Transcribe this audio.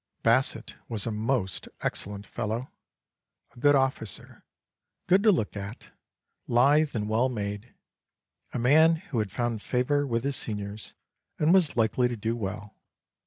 Basset was a most excellent fellow, a good officer, good to look at, lithe and well made, a man who had found favour with his seniors and was likely to do well.